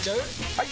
・はい！